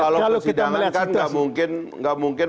kalau persidangan kan nggak mungkin